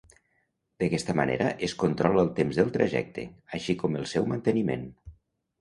D'aquesta manera es controla el temps del trajecte, així com el seu manteniment.